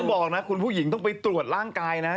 บอกนะคุณผู้หญิงต้องไปตรวจร่างกายนะ